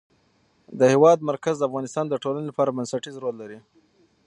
د هېواد مرکز د افغانستان د ټولنې لپاره بنسټيز رول لري.